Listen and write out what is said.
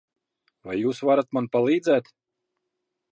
Vai jūs varat man palīdzēt?